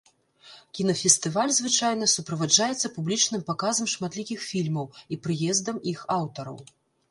Кінафестываль звычайна суправаджаецца публічным паказам шматлікіх фільмаў і прыездам іх аўтараў.